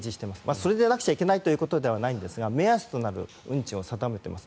それでなくてはいけないというわけではないですが目安となる運賃を定めています。